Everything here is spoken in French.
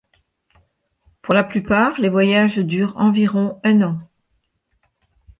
Pour la plupart, les voyages durent environ un an.